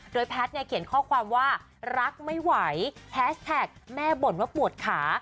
แพทย์เนี่ยเขียนข้อความว่ารักไม่ไหวแฮสแท็กแม่บ่นว่าปวดขา